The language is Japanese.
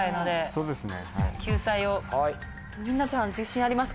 そうですね。